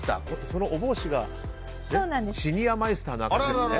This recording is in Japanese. そのお帽子がシニアマイスターですね。